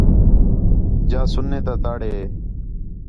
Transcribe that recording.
جا سُنّے تا تڑ ہِے